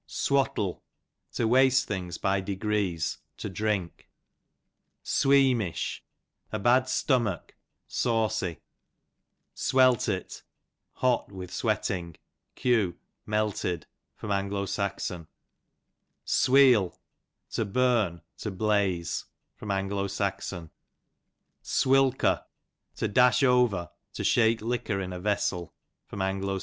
Swattle, to waste things by degrees, to drink. Sweamish, a bad stomach, saucy. Sweltit, hot with sweating, q. melted. A. S. Sweal, to burn, to blaze. A. S. Swilker, to dash over, to shake liquor in a vessel. A. S.